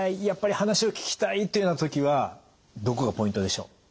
やっぱり話を聞きたいというような時はどこがポイントでしょう？